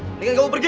mendingan kamu pergi